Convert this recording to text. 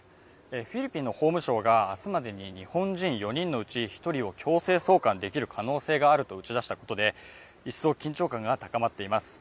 フィリピンの法務省が明日までに日本人４人のうち１人を強制送還できる可能性を打ち出したことで一層、緊張感が高まっています。